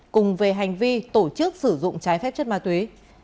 cùng về hành vi tổ chức sử dụng trái phép chất ma túy